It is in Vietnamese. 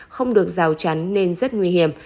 không được rào chắn nên rất nguy hiểm